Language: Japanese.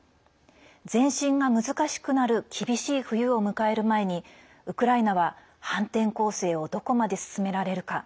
前進が難しくなる厳しい冬を迎える前にウクライナは反転攻勢をどこまで進められるか。